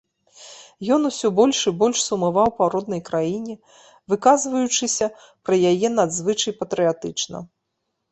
Ён усё больш і больш сумаваў па роднай краіне, выказваючыся пра яе надзвычай патрыятычна.